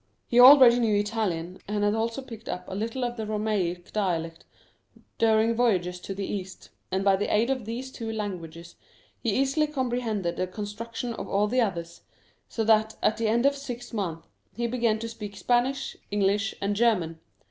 He already knew Italian, and had also picked up a little of the Romaic dialect during voyages to the East; and by the aid of these two languages he easily comprehended the construction of all the others, so that at the end of six months he began to speak Spanish, English, and German.